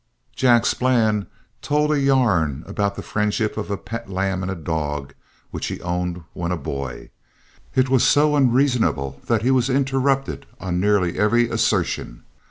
Jack Splann told a yarn about the friendship of a pet lamb and dog which he owned when a boy. It was so unreasonable that he was interrupted on nearly every assertion.